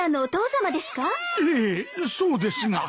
ええそうですが。